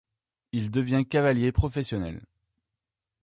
Il devient cavalier professionnel.